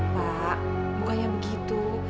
pak bukannya begitu